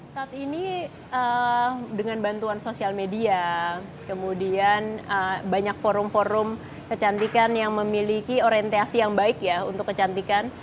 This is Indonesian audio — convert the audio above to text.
saat ini dengan bantuan sosial media kemudian banyak forum forum kecantikan yang memiliki orientasi yang baik ya untuk kecantikan